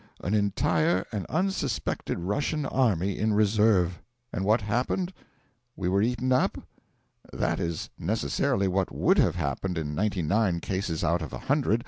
An entire and unsuspected Russian army in reserve! And what happened? We were eaten up? That is necessarily what would have happened in ninety nine cases out of a hundred.